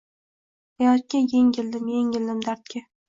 Xayotga engildim engildim dardga